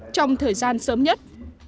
trong thời gian sớm nhất